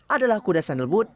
adalah kuda sengelwut